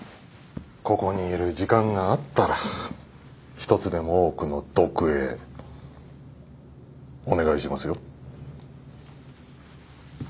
ここにいる時間があったら１つでも多くの読影お願いしますよ。